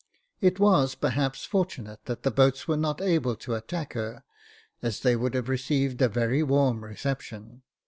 It was, perhaps, fortunate that the boats were not able to attack her, as they would have received a very warm reception.